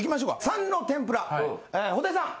参の天ぷら布袋さん